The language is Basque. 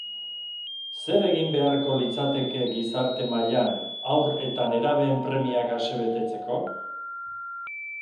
Zer egin beharko litzateke gizarte-mailan haur eta nerabeen premiak asebetetzeko?